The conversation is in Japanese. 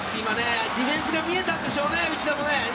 「今ねディフェンスが見えたんでしょうね内田もね。